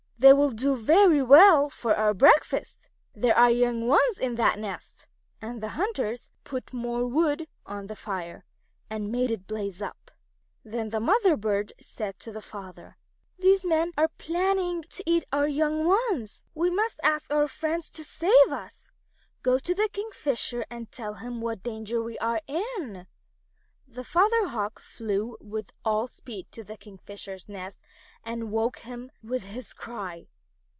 They will do very well for our breakfast. There are young ones in that nest." And the hunters put more wood on the fire, and made it blaze up. Then the Mother bird said to the Father: "These men are planning to eat our young ones. We must ask our friends to save us. Go to the Kingfisher and tell him what danger we are in." The Father Hawk flew with all speed to the Kingfisher's nest and woke him with his cry.